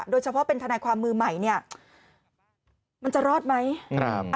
โดยเฉพาะเป็นทนายความมือใหม่เนี่ยมันจะรอดไหม